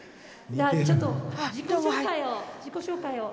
じゃあちょっと自己紹介を。